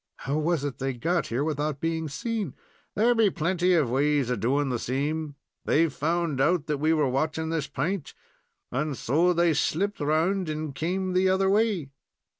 "How was it they got here without being seen?" "There be plenty ways of doing the same. They've found out that we were watching this pint, and so they slipped round and came the other way."